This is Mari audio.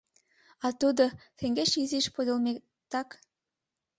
— А тудо — теҥгече изиш подылметак.